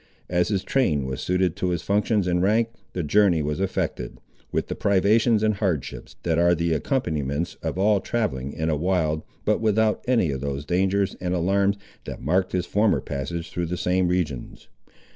As his train was suited to his functions and rank, the journey was effected, with the privations and hardships that are the accompaniments of all travelling in a wild, but without any of those dangers and alarms that marked his former passage through the same regions.